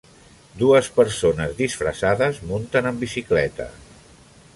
Dues persones disfressades munten amb bicicleta.